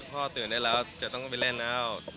ผมต้องไปเล่นแล้ว